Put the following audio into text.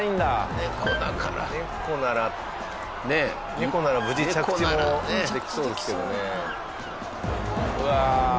猫なら無事着地もできそうですけどね。